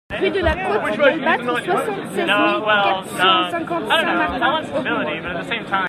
Rue de la Côte d'Albatre, soixante-seize mille quatre cent cinquante Saint-Martin-aux-Buneaux